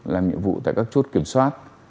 làm nhiệm vụ tại các chốt kiểm soát